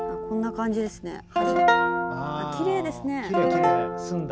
こんな感じですね。